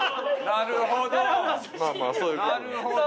なるほど。